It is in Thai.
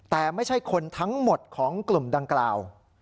แต่ไม่ใช่คนทั้งหมดของกลุ่มดังกล่าว